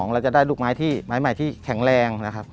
เราจะได้ลูกไม้ที่ไม้ใหม่ที่แข็งแรงนะครับ